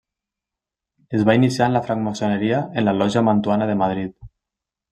Es va iniciar en la francmaçoneria en la Lògia Mantuana de Madrid.